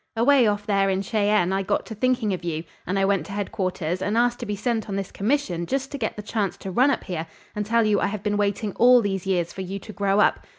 "Away off there in Cheyenne I got to thinking of you, and I went to headquarters and asked to be sent on this commission just to get the chance to run up here and tell you I have been waiting all these years for you to grow up.